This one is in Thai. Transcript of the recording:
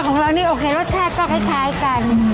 ของเรานี่โอเครสชาติก็คล้ายกัน